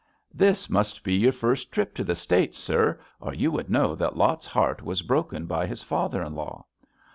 This must be your first trip to the States, sir, or you would know that Lot's heart was broken by his father in law.